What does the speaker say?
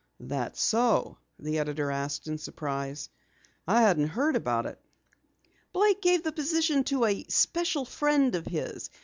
"That so?" the editor asked in surprise. "I hadn't heard about it." "Blake gave the position to a special friend of his.